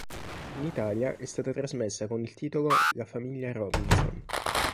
In Italia è stata trasmessa con il titolo "La famiglia Robinson".